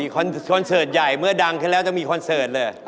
คอนเสิร์ตใหญ่เมื่อดังขึ้นแล้วจะมีคอนเสิร์ตเลย